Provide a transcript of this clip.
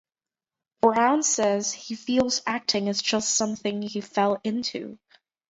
Brown says he feels acting is just something he "fell into".